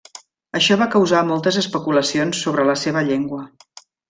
Això va causar moltes especulacions sobre la seva llengua.